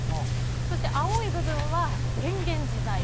そして、青い部分は変幻自在。